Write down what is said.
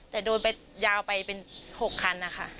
แต่โดนไปยาวไปเป็น๖คันนะคะ